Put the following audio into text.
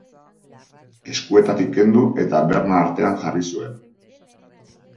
Eskuetatik kendu eta berna artean jarri zuen.